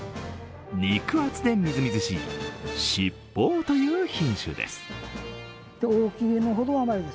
肉厚でみずみずしい七宝という品種です。